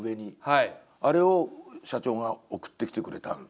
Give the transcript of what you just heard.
あれを社長が送ってきてくれたんだけど。